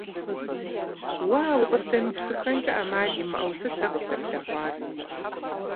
Уа, укъыстемыпсыхэнкӀэ Ӏэмал имыӀэу сыт сэ къыздэплъэгъуар?